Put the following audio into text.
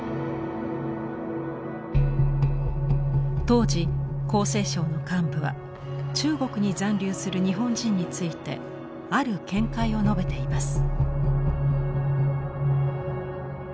当時厚生省の幹部は中国に残留する日本人についてある見解を述べています。